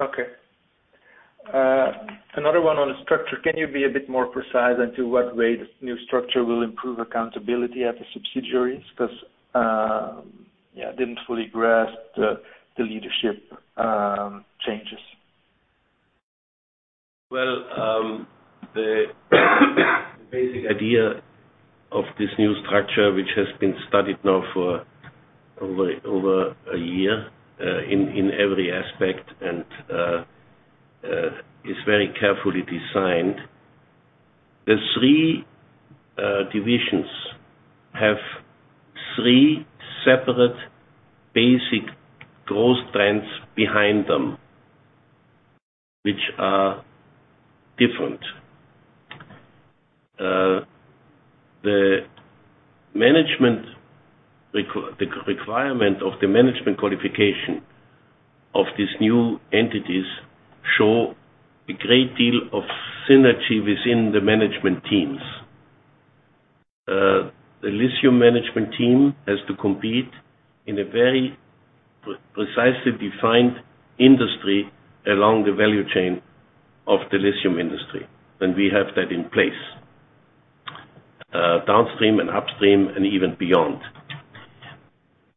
H: Okay. Another one on the structure. Can you be a bit more precise as to what way the new structure will improve accountability at the subsidiaries? Because, yeah, I didn't fully grasp the leadership changes.
C: Well, the basic idea of this new structure, which has been studied now for over a year, in every aspect and, is very carefully designed. The three divisions have three separate basic growth trends behind them, which are different. The management requirement of the management qualification of these new entities show a great deal of synergy within the management teams. The lithium management team has to compete in a very precisely defined industry along the value chain of the lithium industry, and we have that in place, downstream and upstream and even beyond.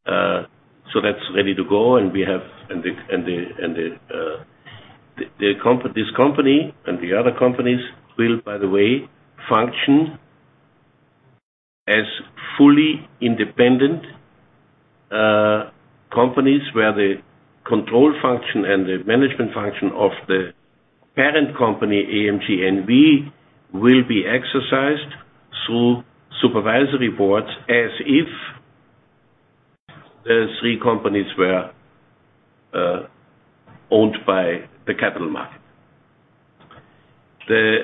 C: So that's ready to go, and we have this company and the other companies will, by the way, function as fully independent companies, where the control function and the management function of the parent company, AMG NV, will be exercised through supervisory boards, as if the three companies were owned by the capital market. The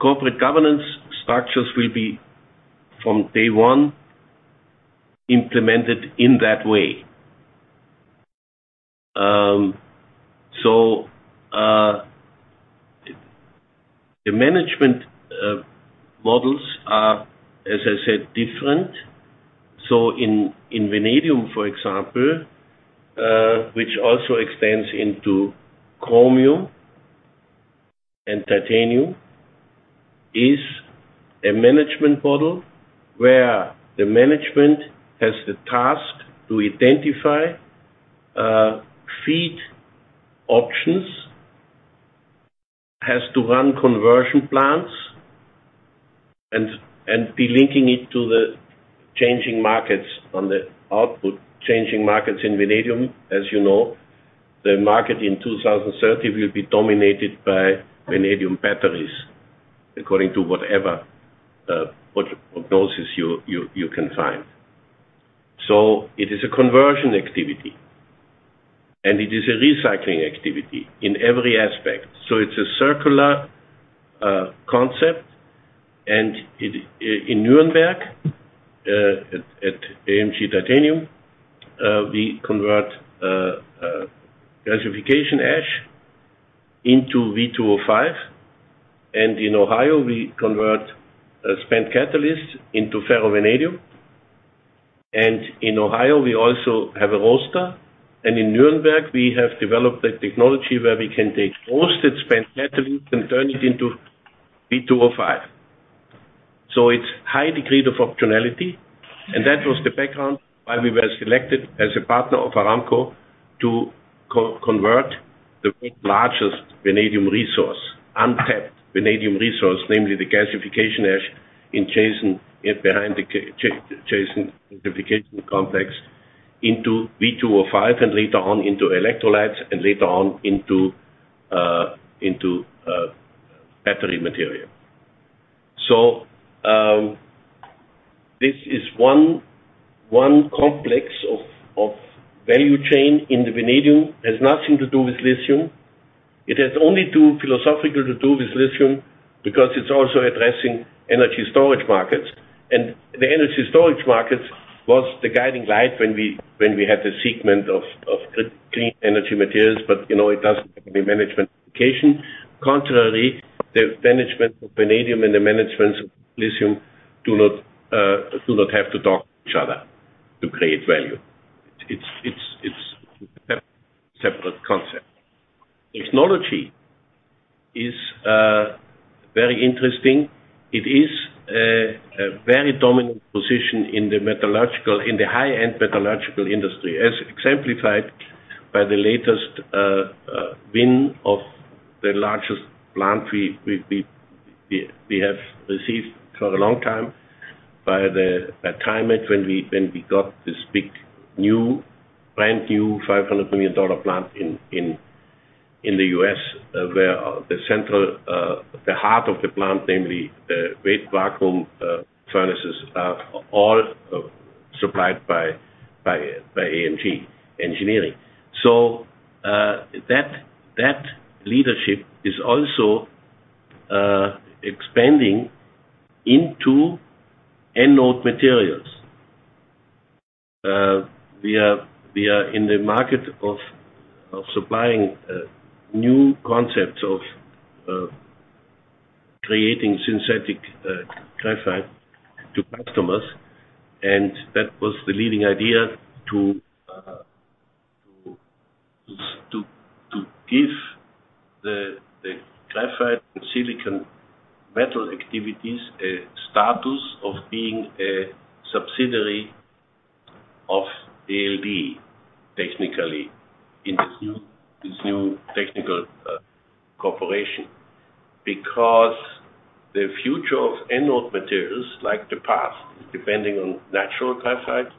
C: corporate governance structures will be, from day one, implemented in that way. So the management models are, as I said, different. So in vanadium, for example, which also extends into chromium and titanium, is a management model where the management has the task to identify feed options, has to run conversion plants, and be linking it to the changing markets on the output, changing markets in vanadium. As you know, the market in 2030 will be dominated by vanadium batteries, according to whatever, what prognosis you can find. So it is a conversion activity, and it is a recycling activity in every aspect. So it's a circular concept, and it in Nuremberg at AMG Titanium we convert gasification ash into V2O5, and in Ohio, we convert spent catalyst into ferrovanadium. And in Ohio, we also have a roaster, and in Nuremberg, we have developed a technology where we can take roasted spent catalyst and turn it into V2O5. So it's high degree of optionality, and that was the background why we were selected as a partner of Aramco to co-convert the largest vanadium resource, untapped vanadium resource, namely the gasification ash in Jazan, behind the Jazan gasification complex, into V2O5, and later on into electrolytes, and later on into battery material. So this is one complex of value chain in the vanadium. It has nothing to do with lithium. It has only to philosophical to do with lithium, because it's also addressing energy storage markets. And the energy storage markets was the guiding light when we had the segment of the clean energy materials, but you know, it doesn't have any management application. Contrary, the management of vanadium and the management of lithium do not have to talk to each other to create value. It's a separate concept. Technology is very interesting. It is a very dominant position in the metallurgical-- in the high-end metallurgical industry, as exemplified by the latest win of the largest plant we have received for a long time. By the time when we got this big, new, brand-new, $500 million plant in the U.S., where the central, the heart of the plant, namely the great vacuum furnaces, are all supplied by AMG Engineering. So, that leadership is also expanding into anode materials. We are in the market of supplying new concepts of creating synthetic graphite to customers, and that was the leading idea to give the graphite and silicon metal activities a status of being a subsidiary of ALD, technically, in this new technical cooperation. Because the future of anode materials, like the past, depending on natural graphite,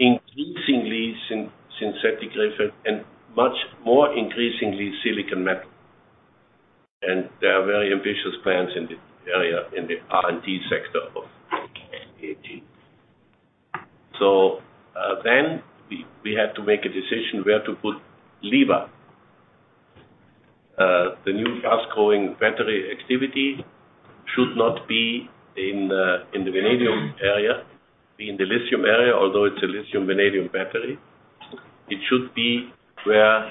C: increasingly synthetic graphite and much more increasingly silicon metal. And there are very ambitious plans in the area, in the R&D sector of AMG. So, then we had to make a decision where to put LIVA. The new fast-growing battery activity should not be in the vanadium area, be in the lithium area, although it's a lithium vanadium battery. It should be where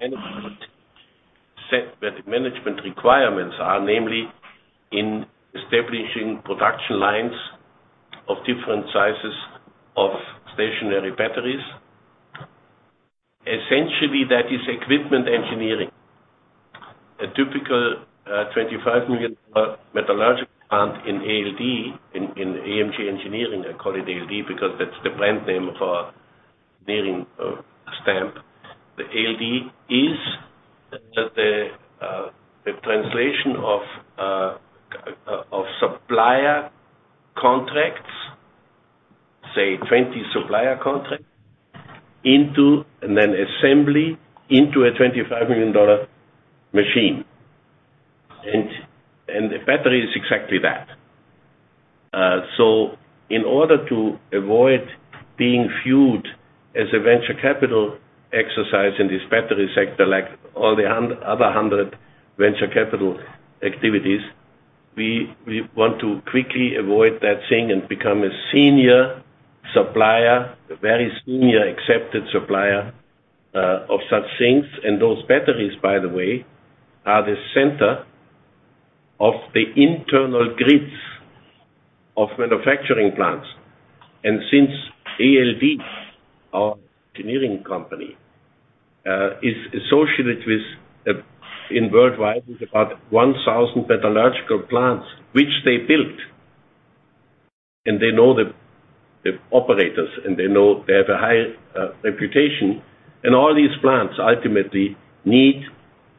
C: the management requirements are, namely, in establishing production lines of different sizes of stationary batteries. Essentially, that is equipment engineering. A typical $25 million metallurgical plant in ALD, in AMG Engineering, I call it ALD because that's the brand name of our bearing stamp. The ALD is the translation of supplier contracts, say, 20 supplier contracts, into an assembly, into a $25 million machine.... and the battery is exactly that. So in order to avoid being viewed as a venture capital exercise in this battery sector, like all the other 100 venture capital activities, we want to quickly avoid that thing and become a senior supplier, a very senior accepted supplier, of such things. Those batteries, by the way, are the center of the internal grids of manufacturing plants. Since ALD, our engineering company, is associated with, in worldwide, with about 1,000 metallurgical plants, which they built, and they know the operators, and they know they have a high reputation. All these plants ultimately need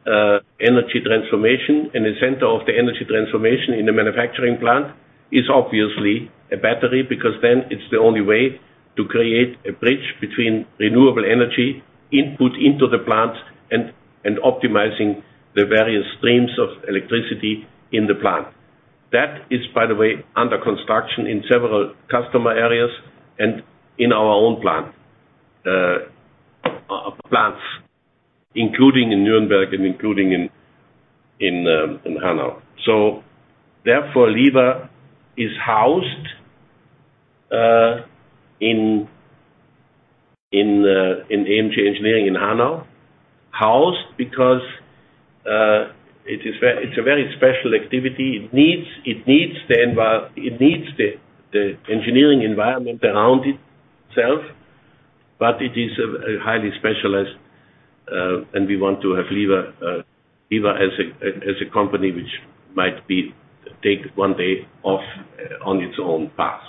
C: energy transformation. The center of the energy transformation in the manufacturing plant is obviously a battery, because then it is the only way to create a bridge between renewable energy input into the plant and optimizing the various streams of electricity in the plant. That is, by the way, under construction in several customer areas and in our own plants, including in Nuremberg and including in Hanau. Therefore, LIVA is housed in AMG Engineering in Hanau. Housed because it is, it's a very special activity. It needs the engineering environment around itself, but it is a highly specialized and we want to have LIVA as a company which might one day take off on its own path.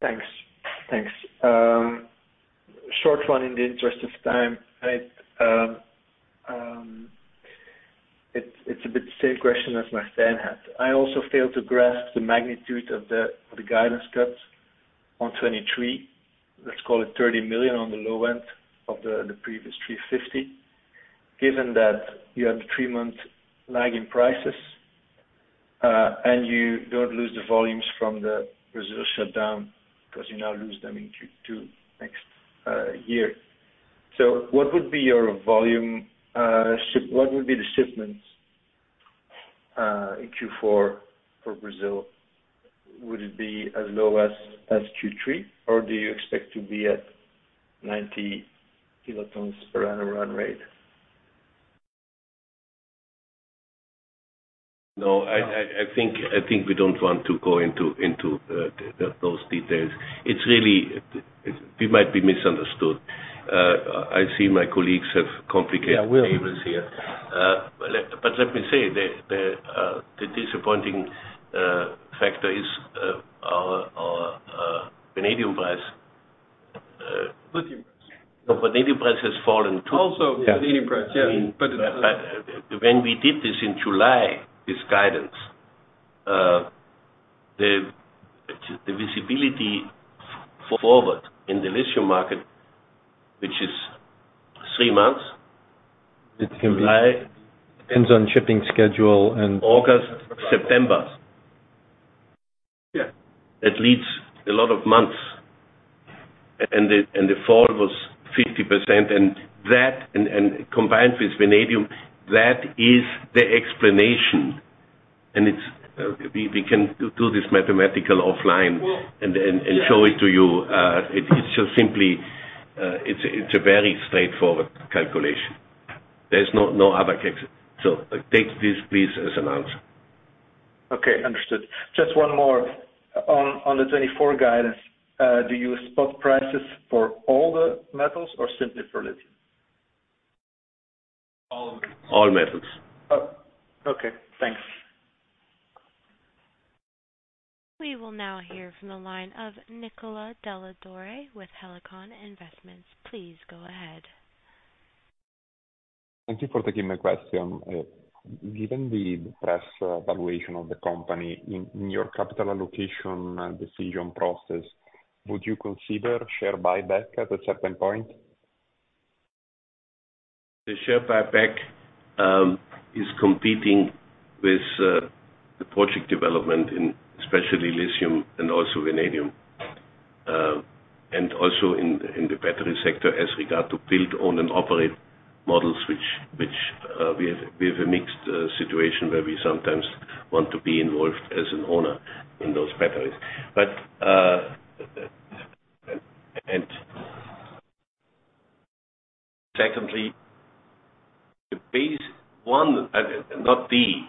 H: Thanks. Thanks. Short one in the interest of time. I, it's a bit same question as my friend had. I also failed to grasp the magnitude of the, the guidance cuts on 2023. Let's call it 30 million on the low end of the, the previous 350 million. Given that you have the 3-month lag in prices, and you don't lose the volumes from the Brazil shutdown, because you now lose them in Q2 next year. So what would be your volume, what would be the shipments, in Q4 for Brazil? Would it be as low as Q3, or do you expect to be at 90 kilotons per annum run rate?
C: No, I think we don't want to go into those details. It's really... We might be misunderstood. I see my colleagues have complicated tables here.
H: Yeah, we'll-
C: But let me say, the disappointing factor is our vanadium price.
H: Lithium.
C: The vanadium price has fallen, too.
H: Also, vanadium price, yeah. But it,
C: When we did this in July, this guidance, the visibility forward in the lithium market, which is three months, it's July.
I: Depends on shipping schedule and-
C: August, September.
H: Yeah.
C: It leads a lot of months, and the fall was 50%, and that combined with vanadium, that is the explanation. And it's we can do this mathematical offline-
H: Well-
C: show it to you. It's just simply a very straightforward calculation. There's no other case. So take this, please, as an answer.
H: Okay, understood. Just one more. On the 2024 guidance, do you spot prices for all the metals or simply for lithium?
E: All of them.
C: All metals.
H: Oh, okay. Thanks.
A: We will now hear from the line of Nicola Dalla Torre with Helikon Investments. Please go ahead.
I: Thank you for taking my question. Given depressed valuation of the company, in your capital allocation decision process, would you consider share buyback at a certain point?
C: The share buyback is competing with the project development in especially lithium and also vanadium and also in the battery sector, as regard to build, own, and operate models, which we have a mixed situation, where we sometimes want to be involved as an owner in those batteries. But and secondly, the base one, not the,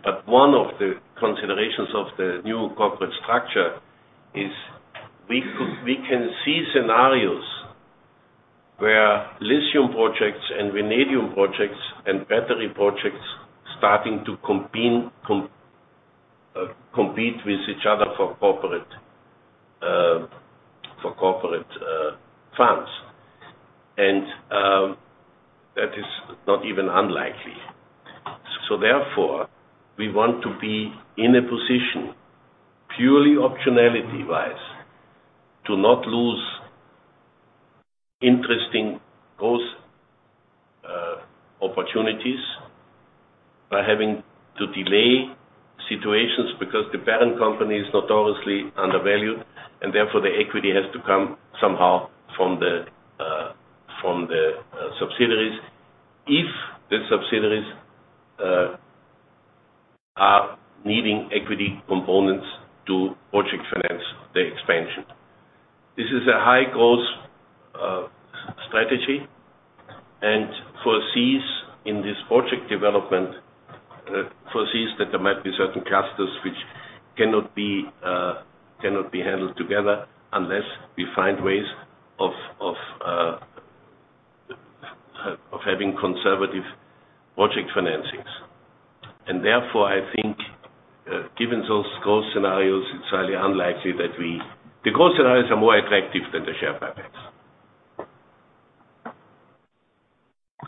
C: but one of the considerations of the new corporate structure is we can see scenarios where lithium projects and vanadium projects and battery projects starting to compete with each other for corporate funds. And even unlikely. So therefore, we want to be in a position, purely optionality-wise, to not lose interesting growth opportunities by having to delay situations because the parent company is notoriously undervalued, and therefore, the equity has to come somehow from the subsidiaries. If the subsidiaries are needing equity components to project finance the expansion. This is a high-growth strategy, and foresees in this project development foresees that there might be certain clusters which cannot be handled together unless we find ways of having conservative project financings. And therefore, I think, given those growth scenarios, it's highly unlikely the growth scenarios are more attractive than the share buybacks.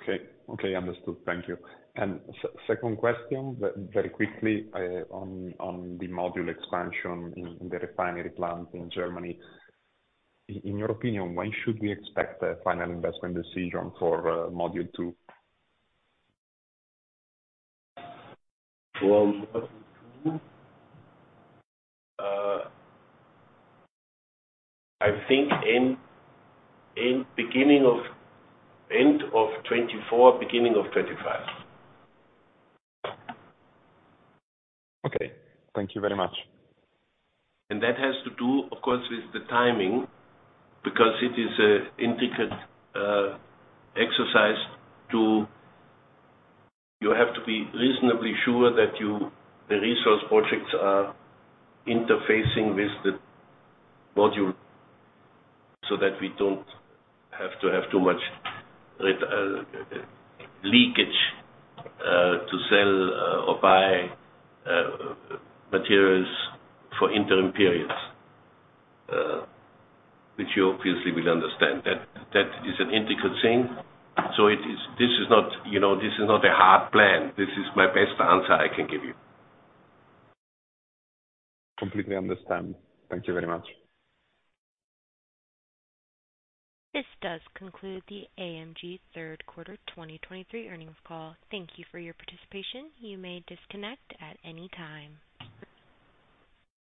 I: Okay. Okay, understood. Thank you. And second question, very, very quickly, on the module expansion in the refinery plant in Germany. In your opinion, when should we expect a final investment decision for module two?
C: Well, I think in end of 2024, beginning of 2025.
I: Okay, thank you very much.
C: That has to do, of course, with the timing, because it is an intricate exercise to. You have to be reasonably sure that you, the resource projects are interfacing with the module, so that we don't have to have too much leakage to sell or buy materials for interim periods, which you obviously will understand. That is an intricate thing, so it is. This is not, you know, this is not a hard plan. This is my best answer I can give you.
I: Completely understand. Thank you very much.
A: This does conclude the AMG third quarter 2023 earnings call. Thank you for your participation. You may disconnect at any time.